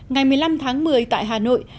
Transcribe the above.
ngày một mươi năm tháng một mươi tại hà nội